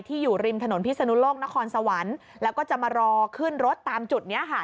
อยู่ริมถนนพิศนุโลกนครสวรรค์แล้วก็จะมารอขึ้นรถตามจุดนี้ค่ะ